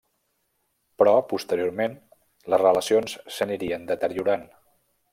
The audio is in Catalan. Però posteriorment les relacions s'anirien deteriorant.